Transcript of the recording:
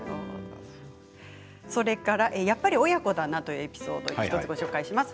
それから、やっぱり親子だなというエピソードを１つご紹介します。